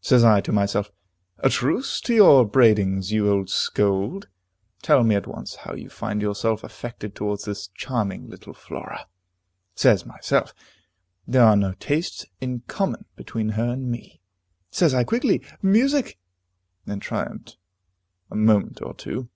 Says I to Myself, "A truce to your upbraidings, you old scold; tell me at once how you find yourself affected towards this charming little Flora." Says Myself, "There are no tastes in common between her and me." Says I, quickly, "Music!" and triumphed a moment or two.